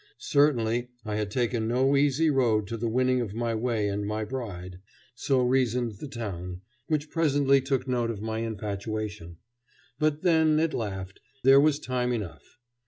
Certainly I had taken no easy road to the winning of my way and my bride; so reasoned the town, which presently took note of my infatuation. But, then, it laughed, there was time enough.